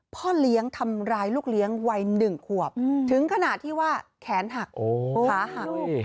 พ่อเลี้ยงทำร้ายลูกเลี้ยงวัย๑ขวบถึงขนาดที่ว่าแขนหักขาหัก